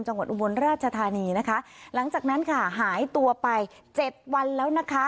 จังหวัดอุบลราชธานีหายตัวไป๗วันแล้ว